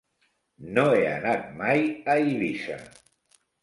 No he anat mai a Eivissa.